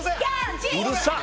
うるさっ！